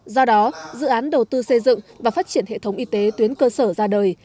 do đó dự án đầu tư xây dựng và phát triển hệ thống y tế tuyến cơ sở ra đời